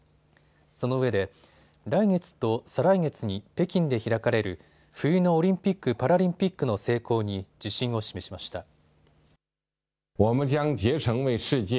そのうえで来月と再来月に北京で開かれる冬のオリンピック・パラリンピックの成功に自信を示しました。